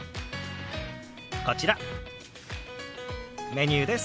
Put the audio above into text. こちらメニューです。